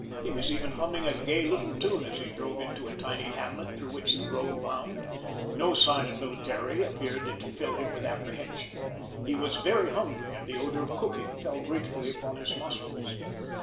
He was even humming a gay little tune as he drove into a tiny hamlet through which the road wound. No sign of military appeared to fill him with apprehension. He was very hungry and the odor of cooking fell gratefully upon his nostrils.